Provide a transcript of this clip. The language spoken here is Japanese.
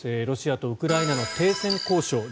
ロシアとウクライナの停戦交渉